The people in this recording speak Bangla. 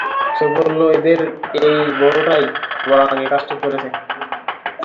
সে বলল, এদের এই বড়টাই বরং এ কাজটি করেছে।